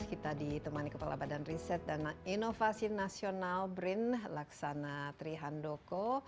kita ditemani kepala badan riset dan inovasi nasional brin laksana trihandoko